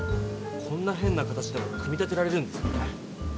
こんなへんな形でも組み立てられるんですね。